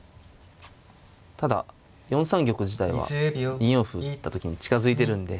ただ４三玉自体は２四歩打った時に近づいてるんで。